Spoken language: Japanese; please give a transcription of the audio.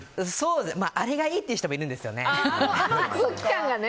あれがいいっていう人もいるんですよね。